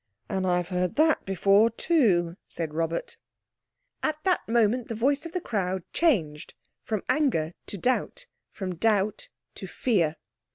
"And I've heard that before, too," said Robert. At that moment the voice of the crowd changed, from anger to doubt, from doubt to fear.